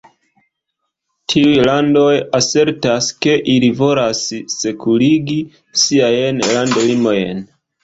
Tiuj landoj asertas ke ili volas sekurigi siajn landlimojn.